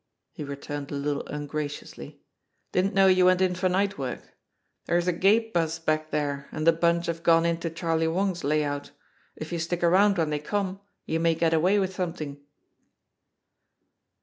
he returned a little ungraciously. "Didn't know you went in for night work. There's a gape bus back there, and the bunch have gone into Charlie Wong's lay out. If you stick around when they come you may get away with something."